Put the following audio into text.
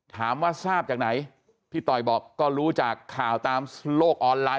ทราบจากไหนพี่ต่อยบอกก็รู้จากข่าวตามโลกออนไลน